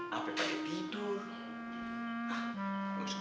sampai pagi tidur